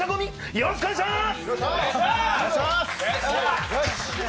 よろしくお願いします。